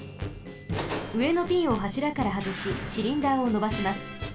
うえのピンをはしらからはずしシリンダーをのばします。